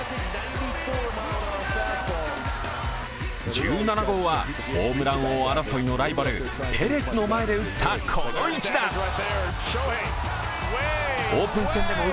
１７号はホームラン王争いのライバル、ペレスの前で打った、この一打。